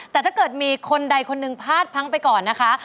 แต่ถ้าเกิดมีคนใดคนหนึ่งพลาดพังไปก่อนนะคะ